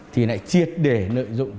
thì lại triệt để nợ dụng